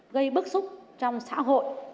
gây bức xúc trong xã hội